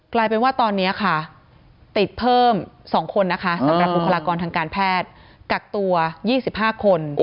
กลายเป็นว่าตอนนี้ค่ะติดเพิ่ม๒คนนะคะสำหรับบุคลากรทางการแพทย์กักตัว๒๕คน